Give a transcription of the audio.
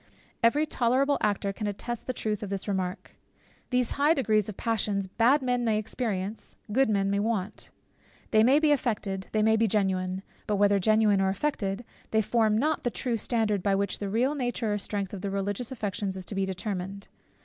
Every tolerable actor can attest the truth of this remark. These high degrees of the passions bad men may experience, good men may want. They may be affected; they may be genuine; but whether genuine or affected, they form not the true standard by which the real nature or strength of the religious affections is to be determined.